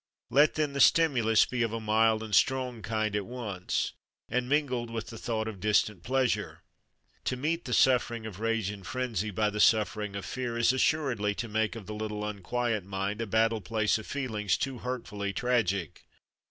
Let, then, the stimulus be of a mild and strong kind at once, and mingled with the thought of distant pleasure. To meet the suffering of rage and frenzy by the suffering of fear is assuredly to make of the little unquiet mind a battle place of feelings too hurtfully tragic.